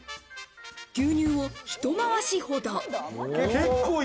牛乳をひとまわしほど。